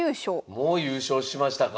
もう優勝しましたか。